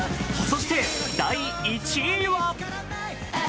そして第１位は？